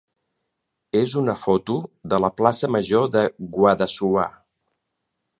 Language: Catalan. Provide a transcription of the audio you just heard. és una foto de la plaça major de Guadassuar.